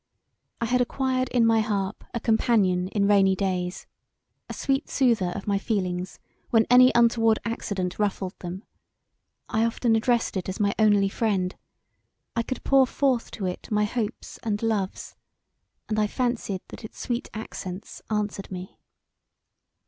I had acquired in my harp a companion in rainy days; a sweet soother of my feelings when any untoward accident ruffled them: I often addressed it as my only friend; I could pour forth to it my hopes and loves, and I fancied that its sweet accents answered me.